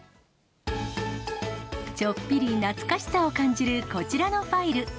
ちょっぴり懐かしさを感じる、こちらのファイル。